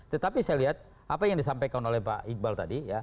tetapi saya lihat apa yang disampaikan oleh pak iqbal tadi ya